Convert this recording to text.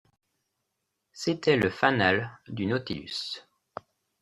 C’était le fanal du Nautilus.